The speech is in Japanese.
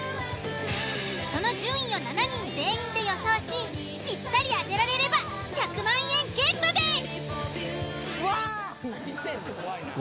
その順位を７人全員で予想しぴったり当てられれば１００万円ゲットです。